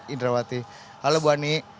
indrawati halo bu ani